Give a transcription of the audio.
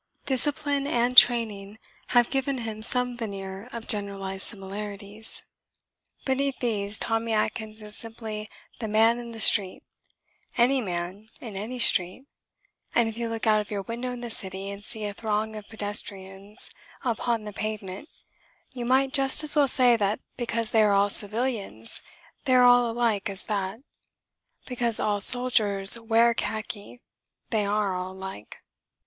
Discipline and training have given him some veneer of generalised similarities. Beneath these, Tommy Atkins is simply the man in the street any man in any street; and if you look out of your window in the city and see a throng of pedestrians upon the pavement you might just as well say that because they are all civilians they are all alike as that, because all soldiers wear khaki, they are all alike.